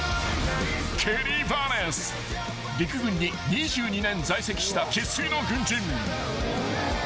［陸軍に２２年在籍した生粋の軍人］